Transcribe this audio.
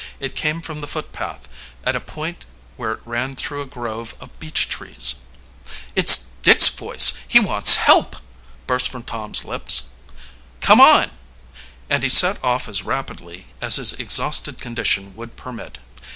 It came from the footpath, at a point where it ran through a grove of beech trees. "It's Dick's voice! He wants help!" burst from Tom's lips. "Come on!" and he set off as rapidly as his exhausted condition would permit.